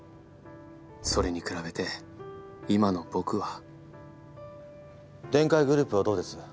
それに比べて今の僕はデンカイグループはどうです？